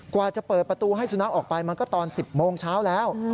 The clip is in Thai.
กว่าจะเปิดประตูให้สุนัขออกไปมันก็ตอน๑๐โมงเช้าแล้ว